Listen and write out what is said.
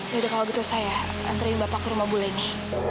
jadi kalau gitu saya anterin bapak ke rumah bu leni